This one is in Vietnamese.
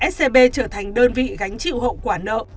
scb trở thành đơn vị gánh chịu hậu quả nợ